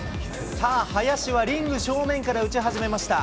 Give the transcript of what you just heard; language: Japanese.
さあ、林はリング正面から打ち始めました。